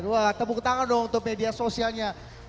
wah tepuk tangan dong untuk media sosialnya